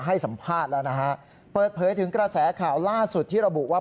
ให้สัมภาษณ์แล้วนะฮะเปิดเผยถึงกระแสข่าวล่าสุดที่ระบุว่า